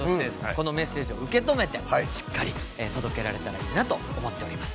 このメッセージを受け止めてしっかり届けられたらいいなと思っております。